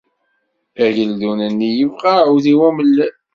Ageldun-nni yebɣa aɛudiw amellal.